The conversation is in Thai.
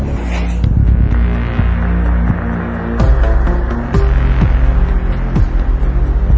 หรือว่าพวกมันหยอกกันก็ทำไม่ได้